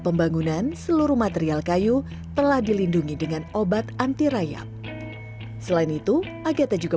pembangunan seluruh material kayu telah dilindungi dengan obat anti rayap selain itu agatha juga